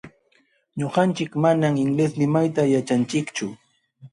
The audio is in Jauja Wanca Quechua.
Ñuqanchik manam inglés limayta yaćhanchikchu.